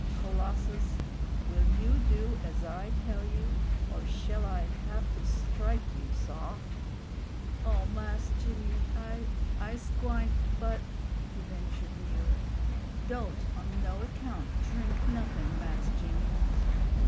"Colossus, will you do ez I tell you, or shell I hev' to strike you, saw?" "Oh Mahs Jimmy, I I's gwine; but " he ventured nearer "don't on no account drink nothin', Mahs Jimmy."